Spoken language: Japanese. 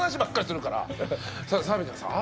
「澤部ちゃんさあ